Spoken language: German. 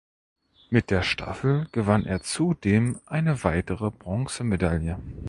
Mit der Staffel gewann er zudem eine weitere Bronzemedaille.